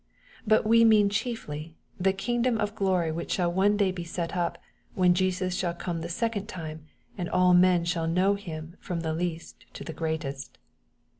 But we mean chiefly, the kingdom of glory which shall one day be set up, when Jesus shall come the second time, and ^' all men shall know Him from the least to the greatest."